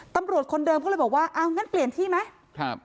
ตำรวจคนเดิมก็เลยบอกว่าอ้าวงั้นเปลี่ยนที่ไหมครับ